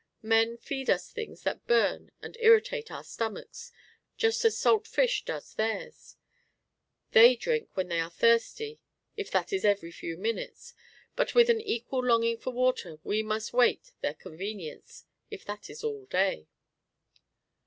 Men feed us things that burn and irritate our stomachs just as salt fish does theirs. They drink when they are thirsty if that is every few minutes, but with an equal longing for water we must wait their convenience, if that is all day.